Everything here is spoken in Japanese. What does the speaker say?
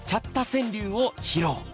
川柳を披露。